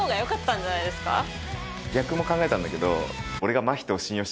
逆も考えたんだけど。